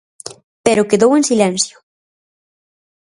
Pero quedou en silencio.